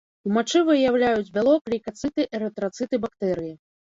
У мачы выяўляюць бялок, лейкацыты, эрытрацыты, бактэрыі.